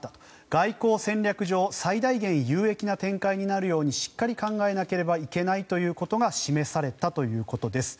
外交戦略上最大限有益な展開になるようにしっかり考えなければいけないということが示されたということです。